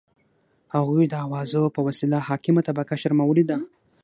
هغوی د اوازو په وسیله حاکمه طبقه شرمولي ده.